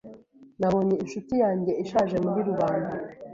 Nabonye inshuti yanjye ishaje muri rubanda.